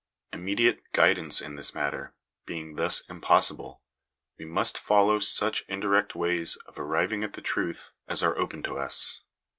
Immediate guidance in this matter being thus impossible, we must follow such indirect ways of arriving at the truth as are I open to us.